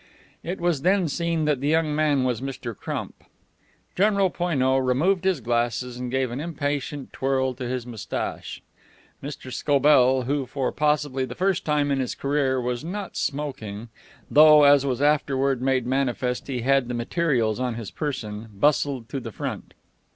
It was then seen that the young man was Mr. Crump. General Poineau removed his glasses and gave an impatient twirl to his mustache. Mr. Scobell, who for possibly the first time in his career was not smoking (though, as was afterward made manifest, he had the materials on his person), bustled to the front.